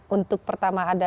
untuk pertama ada